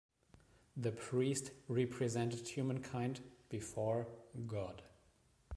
The priest represented humankind before God.